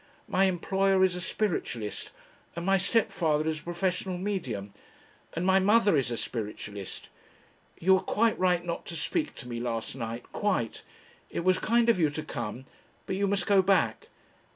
My employer is a spiritualist, and my stepfather is a professional Medium, and my mother is a spiritualist. You were quite right not to speak to me last night. Quite. It was kind of you to come, but you must go back.